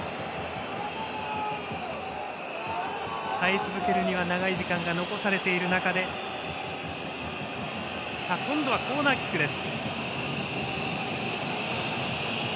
耐え続けるには長い時間が残されている中で今度はコーナーキックです。